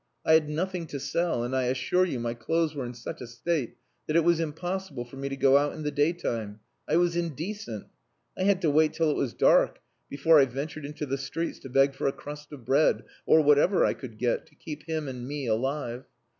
I had nothing to sell, and I assure you my clothes were in such a state that it was impossible for me to go out in the daytime. I was indecent. I had to wait till it was dark before I ventured into the streets to beg for a crust of bread, or whatever I could get, to keep him and me alive.